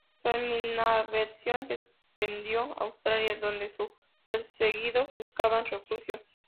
Su animadversión se extendió a Austrasia, donde sus perseguidos buscaban refugio.